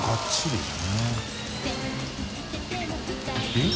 えっ？